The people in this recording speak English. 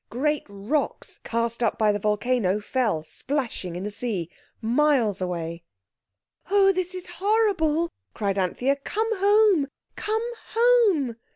Great rocks cast up by the volcano fell splashing in the sea miles away. "Oh, this is horrible!" cried Anthea. "Come home, come home!"